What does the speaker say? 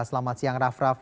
selamat siang raff raff